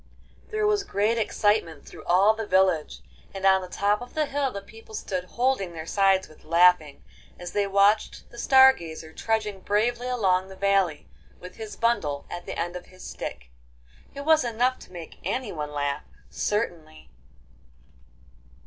There was great excitement through all the village, and on the top of the hill the people stood holding their sides with laughing, as they watched the Star Gazer trudging bravely along the valley with his bundle at the end of his stick. It was enough to make anyone laugh, certainly.